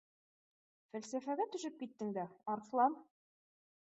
— Фәлсәфәгә төшөп киттең дә, Арыҫлан